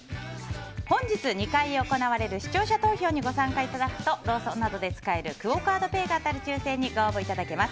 本日２回行われる視聴者投票に参加いただくとローソンなどで使えるクオ・カードペイが当たる抽選にご参加いただけます。